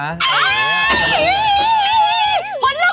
ไอ้เฮ้ย